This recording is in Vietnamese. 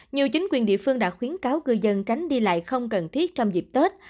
nhiều chính quyền địa phương đã khuyến cáo cư dân tránh đi lại không cần thiết trong dịp tết